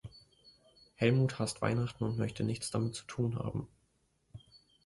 Helmut hasst Weihnachten und möchte nichts damit zu tun haben.